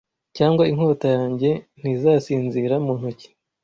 Cyangwa inkota yanjye ntizasinzira mu ntoki